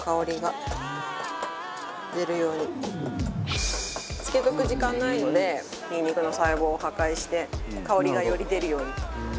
和田：漬けておく時間ないのでニンニクの細胞を破壊して香りが、より出るように。